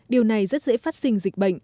điều này rất dễ phát sinh dịch bệnh